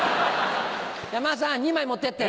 山田さん２枚持ってって。